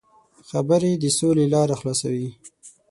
خبرې د سولې لاره خلاصوي.